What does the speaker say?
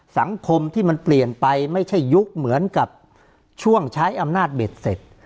สังคมที่มันเปลี่ยนไปไม่ใช่ยุคเหมือนกับช่วงใช้อำนาจเบ็ดเสร็จ